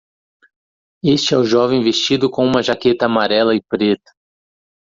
Este é o jovem vestido com uma jaqueta amarela e preta